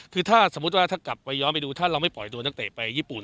คือถ้าสมมุติว่าถ้ากลับไปย้อนไปดูถ้าเราไม่ปล่อยตัวนักเตะไปญี่ปุ่น